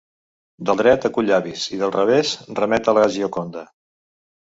Del dret acull avis i del revés remet a la Gioconda.